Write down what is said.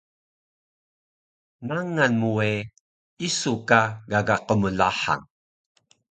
Nangal mu we isu ka gaga qmlahang